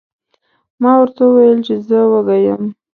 ما ورته وویل چې زه وږی یم.